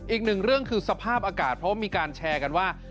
อีกหนึ่งเรื่องคือสภาพอากาศเพราะว่ามีการแชร์กันว่า